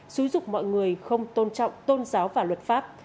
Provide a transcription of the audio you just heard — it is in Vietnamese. xúi dục mọi người không tôn trọng tôn giáo và luật pháp